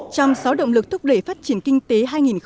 trong sáu động lực thúc đẩy phát triển kinh tế hai nghìn một mươi chín